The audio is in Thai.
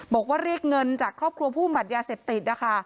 บอกว่าเรียกเงินจากครอบครัวผู้หมัดยาเสพติดนะคะ